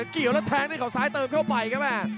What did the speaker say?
เกี่ยวแล้วแทงด้วยเขาซ้ายเติมเข้าไปครับแม่